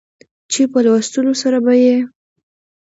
چې په لوستلو سره به يې